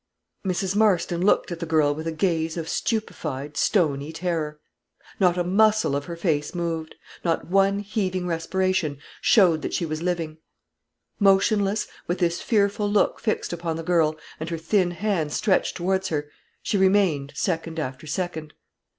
Mrs. Marston looked at the girl with a gaze of stupefied, stony terror; not a muscle of her face moved; not one heaving respiration showed that she was living. Motionless, with this fearful look fixed upon the girl, and her thin hands stretched towards her, she remained, second after second.